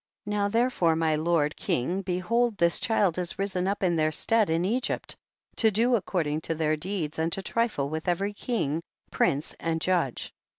18. Now therefore my lord king behold this child has risen up in their stead in ]\gypt, to do according to their deeds and to trifle with every king, prince and judge.